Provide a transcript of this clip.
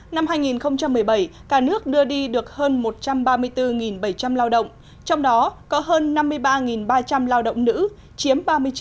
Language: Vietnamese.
năm hai nghìn một mươi bảy cả nước đưa đi được hơn một trăm ba mươi bốn bảy trăm linh lao động trong đó có hơn năm mươi ba ba trăm linh lao động nữ chiếm ba mươi chín